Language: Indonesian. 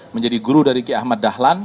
menjadi guru dari ki ahmad dahlan